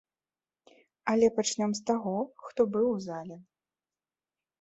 Але пачнём з таго, хто быў у зале.